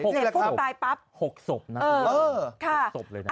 เศษพูดตายปั๊บ๖ศพนะ